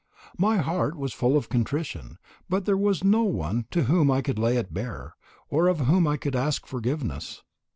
My heart was full of contrition, but there was no one to whom I could lay it bare, or of whom I could ask forgiveness.